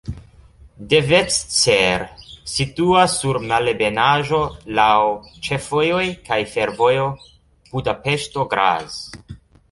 Devecser situas sur malebenaĵo, laŭ ĉefvojoj kaj fervojo Budapeŝto-Graz.